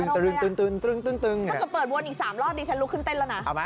ถ้าเกิดเปิดวนอีก๓รอบดิฉันลุกขึ้นเต้นแล้วนะ